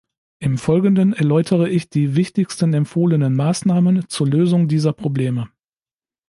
Im folgenden erläutere ich die wichtigsten empfohlenen Maßnahmen zur Lösung dieser Probleme.